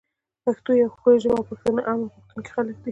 پښتو یوه ښکلی ژبه ده او پښتانه امن غوښتونکی خلک دی